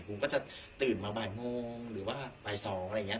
ผมก็จะตื่นมาบ่ายโมงหรือว่าบ่าย๒อะไรอย่างนี้